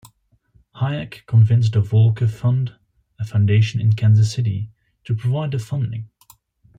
Hayek convinced the Volker Fund, a foundation in Kansas City, to provide the funding.